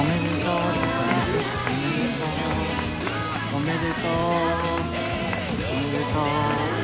おめでとう。